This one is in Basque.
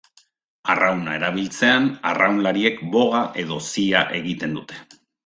Arrauna erabiltzean, arraunlariek boga edo zia egiten dute.